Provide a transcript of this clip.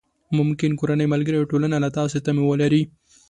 ممکن کورنۍ، ملګري او ټولنه له تاسې تمې ولري.